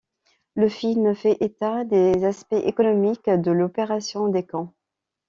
Le film fait état des aspects économiques de l’opération des camps.